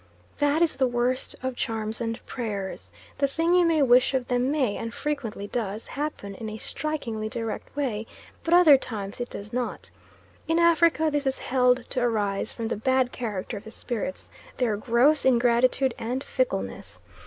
That is the worst of charms and prayers. The thing you wish of them may, and frequently does, happen in a strikingly direct way, but other times it does not. In Africa this is held to arise from the bad character of the spirits; their gross ingratitude and fickleness.